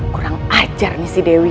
kurang ajar nih si dewi